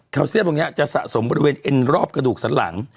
เซียมตรงนี้จะสะสมบริเวณเอ็นรอบกระดูกสันหลัง